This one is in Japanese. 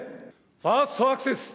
ファーストアクセス！